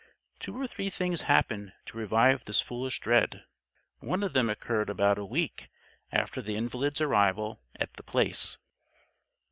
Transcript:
Two or three things happened to revive this foolish dread. One of them occurred about a week after the invalid's arrival at The Place.